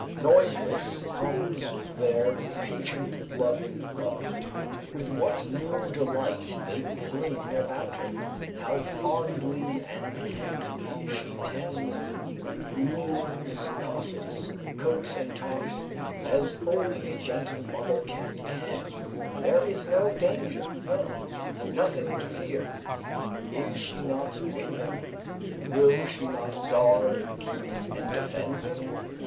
Noiseless comes their patient, loving mother; with what new delight they cling about her; how fondly and tenderly she tends them, lures, cossets, coaxes, and talks, as only a gentle mother cat can "There is no danger, no! nothing to fear. Is she not with them; will she not guard, keep and defend them?